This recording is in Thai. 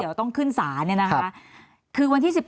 เดี๋ยวต้องขึ้นศาลเนี่ยนะคะคือวันที่๑๔